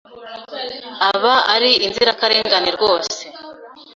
aba ari inzirakarengane rwose